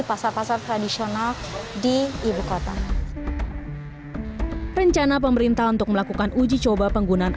pasar pasar tradisional di ibukota rencana pemerintah untuk melakukan uji coba penggunaan